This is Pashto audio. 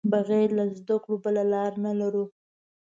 بغیر له زده کړو بله لار نه لرو.